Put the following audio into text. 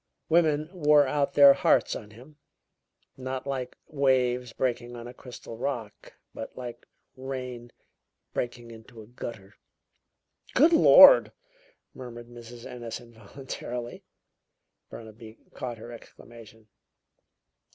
Women wore out their hearts on him, not like waves breaking on a crystal rock, but like rain breaking into a gutter." "Good Lord!" murmured Mrs. Ennis involuntarily. Burnaby caught her exclamation.